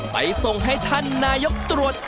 ไปส่งให้ท่านนายกตรวจ